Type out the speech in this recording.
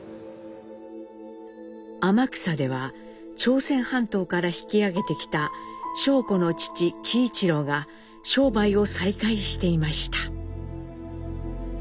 天草では朝鮮半島から引き揚げてきた尚子の父喜一郎が商売を再開していました。